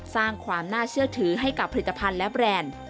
สร้างความน่าเชื่อถือให้กับผลิตภัณฑ์และแบรนด์